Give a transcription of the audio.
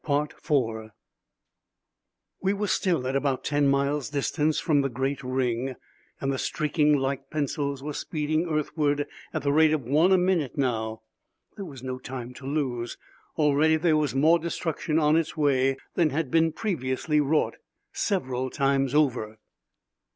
We were still at about ten miles distance from the great ring and the streaking light pencils were speeding earthward at the rate of one a minute now. There was no time to lose. Already there was more destruction on its way than had been previously wrought several times over.